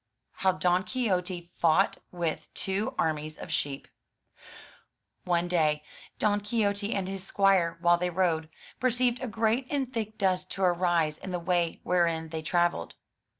HOW DON QUIXOTE FOUGHT WITH TWO ARMIES OF SHEEP ONE day Don Quixote and his squire while they rode, per ceived a great and thick dust to arise in the way wherein they travelled.